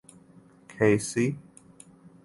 Casey.